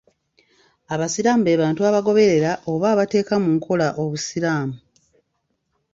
Abasiraamu be bantu abagoberera oba abateeka mu nkola obusiraamu.